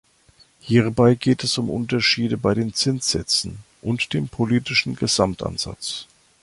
Hierbei geht es um Unterschiede bei den Zinssätzen und dem politischen Gesamtansatz.